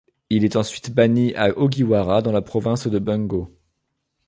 Il est ensuite banni à Ogiwara dans la province de Bungo.